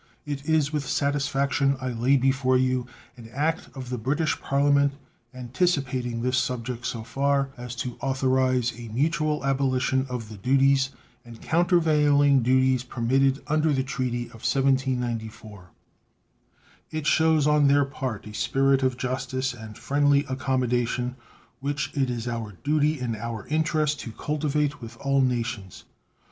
It is with satisfaction I lay before you an act of the British Parliament anticipating this subject so far as to authorize a mutual abolition of the duties and countervailing duties permitted under the treaty of 1794. It shows on their part a spirit of justice and friendly accommodation which it is our duty and our interest to cultivate with all nations.